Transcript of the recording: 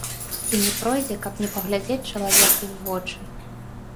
І не пройдзе, каб не паглядзець чалавеку ў вочы.